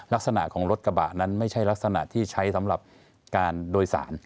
ลักษณะของรถกระบะนั้นไม่ใช่ลักษณะที่ใช้สำหรับการโดยสาร